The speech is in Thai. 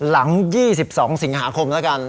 หลัง๒๒สิงหาคมแล้วกัน